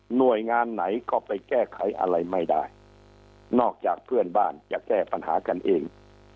หน่วยงานไหนก็ไปแก้ไขอะไรไม่ได้นอกจากเพื่อนบ้านจะแก้ปัญหากันเอง